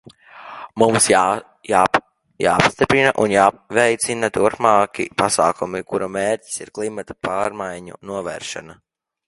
Mums ir jāpastiprina un jāveicina turpmāki pasākumi, kuru mērķis ir klimata pārmaiņu novēršana.